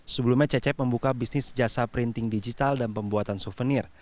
sebelumnya cecep membuka bisnis jasa printing digital dan pembuatan souvenir